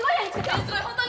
えっすごい本当に？